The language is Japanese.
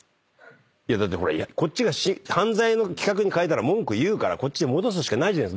こっちが犯罪の企画に変えたら文句言うからこっちに戻すしかないじゃない。